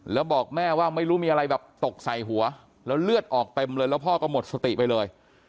แล้วบอกแม่ว่าไม่รู้มีอะไรแบบตกใส่หัวแล้วเลือดออกเต็มเลยแล้วพ่อก็หมดสติไปเลย